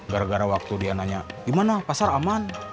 gara gara waktu dia nanya gimana pasar aman